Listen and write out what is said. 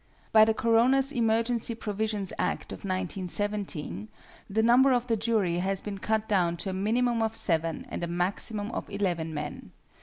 By the Coroners (Emergency Provisions) Act of 1917, the number of the jury has been cut down to a minimum of seven and a maximum of eleven men.